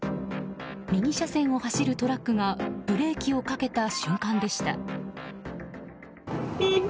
右車線を走るトラックがブレーキをかけた瞬間でした。